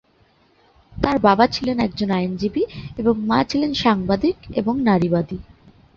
তার বাবা ছিলেন একজন আইনজীবী এবং মা ছিলেন সাংবাদিক এবং নারীবাদী।